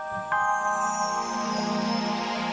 aku sangat ingin menikmati gerbangmu uit